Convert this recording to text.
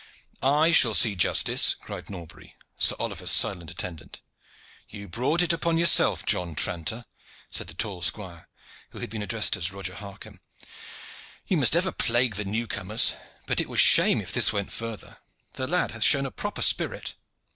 "I shall see justice," cried Norbury, Sir Oliver's silent attendant. "You brought it upon yourself, John Tranter," said the tall squire, who had been addressed as Roger Harcomb. "You must ever plague the new comers. But it were shame if this went further. The lad hath shown a proper spirit."